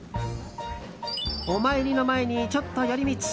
お参りの前にちょっと寄り道。